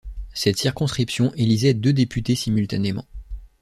Cette circonscription élisait deux députés simultanément.